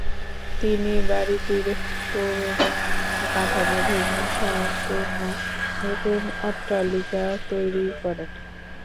তিনি বাড়িটির পুরনো কাঠামো ভেঙ্গে সম্পূর্ণ নতুন অট্টালিকা তৈরী করেন।